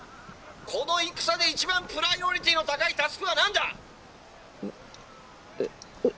この戦で一番プライオリティーの高いタスクは何だ？」。えっえ？